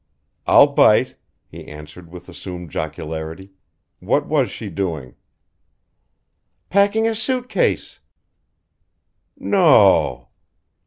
"I'll bite," he answered with assumed jocularity "what was she doing?" "Packing a suit case!" "No?"